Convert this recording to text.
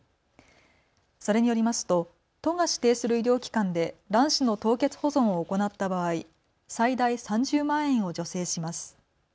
それによりますと都が指定する医療機関で卵子の凍結保存を行った場合、最大３０万円を助成します。